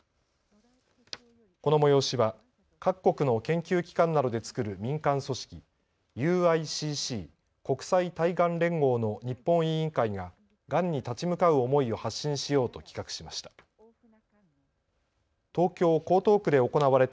この催しは各国の研究機関などで作る民間組織、ＵＩＣＣ・国際対がん連合の日本委員会ががんに立ち向かう思いを発信しようと企画しました。